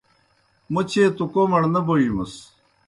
موْ چیئے توْ کوْمڑ نہ بوجمَس۔